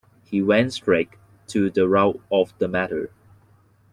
He went straight to the root of the matter.